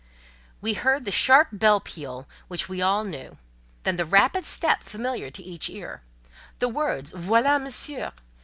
We heard the sharp bell peal which we all knew; then the rapid step familiar to each ear: the words "Voilà Monsieur!"